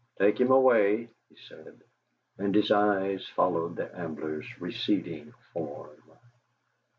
"Take him away," he said, and his eyes followed the Ambler's receding form.